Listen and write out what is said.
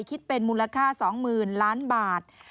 คิดเป็นมูลค่า๒๐๐๐ล้านบาท